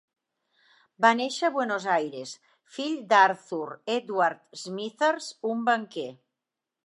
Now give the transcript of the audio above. Va néixer a Buenos Aires, fill d'Arthur Edward Smithers, un banquer.